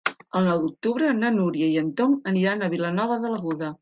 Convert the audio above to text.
El nou d'octubre na Núria i en Tom aniran a Vilanova de l'Aguda.